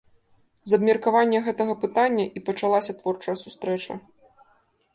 З абмеркавання гэтага пытання і пачалася творчая сустрэча.